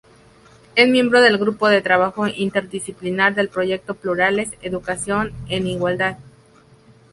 Es miembro del Grupo de Trabajo Interdisciplinar del Proyecto Plurales, educación en igualdad.